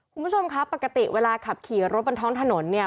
คุณผู้ชมครับปกติเวลาขับขี่รถบนท้องถนนเนี่ย